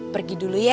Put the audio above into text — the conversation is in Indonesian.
pergi dulu ya